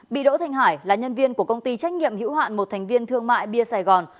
bị đỗ thanh hải là nhân viên của công ty trách nhiệm hữu hạn một thành viên thương mại bia sài gòn